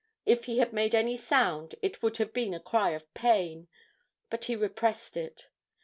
If he had made any sound it would have been a cry of pain; but he repressed it.